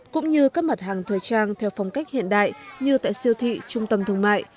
cũng như các mặt hàng thời trang theo phong cách hiện đại như tại siêu thị trung tâm thương mại